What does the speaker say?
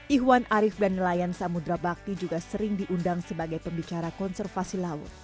iwan arief dan nelayan samudra bakti juga sering diundang sebagai pembicara konservasi